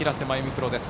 プロです。